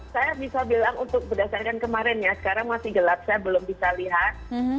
saya bisa bilang untuk berdasarkan kemarin ya sekarang masih gelap saya belum bisa lihat